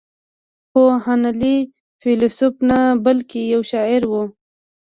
خو هنلي فيلسوف نه بلکې يو شاعر و.